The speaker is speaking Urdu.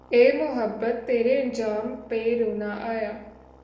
اے محبت تیرے انجام پہ رونا آیا